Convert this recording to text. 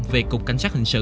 về cục cảnh sát hình sự